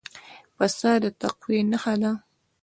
پسه د تقوی نښه ده.